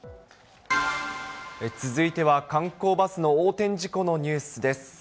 続いては、観光バスの横転事故のニュースです。